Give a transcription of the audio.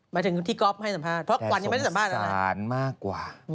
แต่สงสารมากกว่า